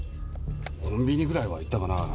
コンビニぐらいは行ったかな。